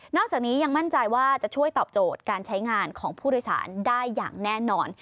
จากนี้ยังมั่นใจว่าจะช่วยตอบโจทย์การใช้งานของผู้โดยสารได้อย่างแน่นอน